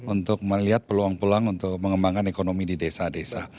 untuk melihat peluang peluang untuk mengembangkan ekonomi di desa desa